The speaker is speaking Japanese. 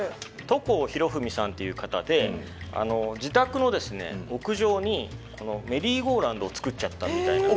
都甲博文さんっていう方で自宅の屋上にメリーゴーラウンドを作っちゃったみたいな。